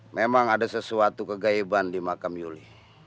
memang ada sesuatu kegaiban di makam yuli